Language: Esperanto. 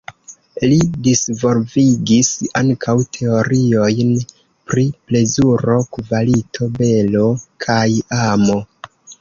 Li disvolvigis ankaŭ teoriojn pri plezuro, kvalito, belo kaj amo.